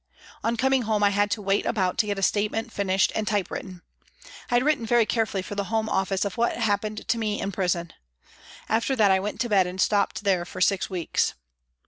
On coming home I had to wait about to get a statement finished and type written. I had written very carefully for the Home Office of what happened to me in prison. After that I went to bed and stopped there for six weeks.